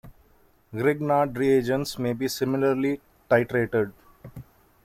Grignard reagents may be similarly titrated.